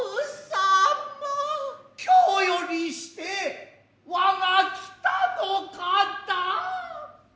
今日よりしてわが北の方。